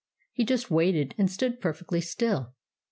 He just waited, and stood perfectly still.